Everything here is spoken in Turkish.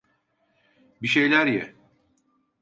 Bir şeyler ye.